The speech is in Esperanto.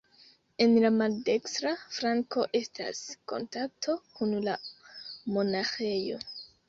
En la maldekstra flanko estas kontakto kun la monaĥejo.